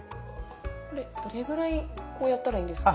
これどれぐらいこうやったらいいんですか？